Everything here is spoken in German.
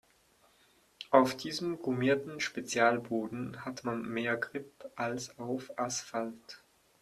Auf diesem gummierten Spezialboden hat man mehr Grip als auf Asphalt.